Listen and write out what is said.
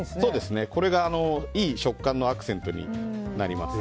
これがいい食感のアクセントになります。